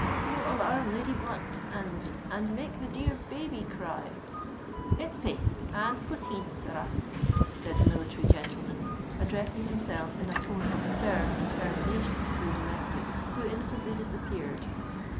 "You'll alarm Lady Blunt—and—and make the dear baby cry—" "It's pace—and potheen, sirrah," said the military gentleman, addressing himself in a tone of stern determination to the domestic, who instantly disappeared.